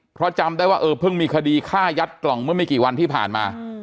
เพราะจำได้ว่าเออเพิ่งมีคดีฆ่ายัดกล่องเมื่อไม่กี่วันที่ผ่านมา